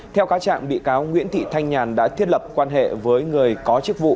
theo cáo trạng bị cáo nguyễn thị thanh nhàn đã thiết lập quan hệ với người có chức vụ